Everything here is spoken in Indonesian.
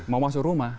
mau masuk rumah